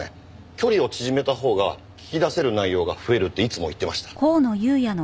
距離を縮めたほうが聞き出せる内容が増えるっていつも言ってました。